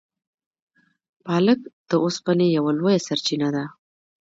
پالک د اوسپنې یوه لویه سرچینه ده.